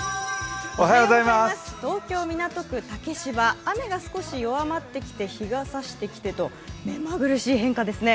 東京・港区竹芝、雨が少し弱まってきて日がさしてきてと、目まぐるしい変化ですね。